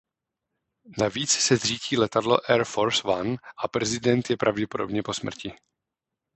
Navíc se zřítí letadlo Air Force One a prezident je pravděpodobně po smrti.